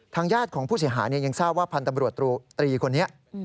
ญาติของผู้เสียหายยังทราบว่าพันธบรวตรีคนนี้